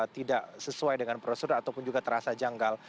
tidak sesuai dengan prosedur ataupun juga terasa janggal